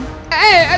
eh aduh seh